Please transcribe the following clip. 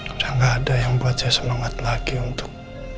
sudah gak ada yang membuat saya semangat lagi untuk